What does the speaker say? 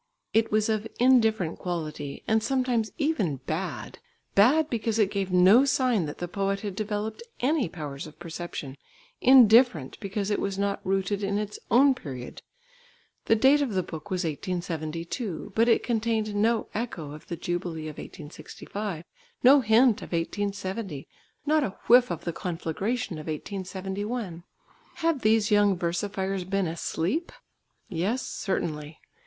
It was of indifferent quality, and sometimes even bad, bad because it gave no sign that the poet had developed any powers of perception, indifferent because it was not rooted in its own period. The date of the book was 1872, but it contained no echo of the Jubilee of 1865, no hint of 1870, not a whiff of the conflagration of 1871. Had these young versifiers been asleep? Yes, certainly.